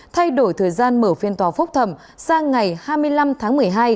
thay đổi thời gian mở phiên tòa phúc thẩm sang ngày hai mươi năm tháng một mươi hai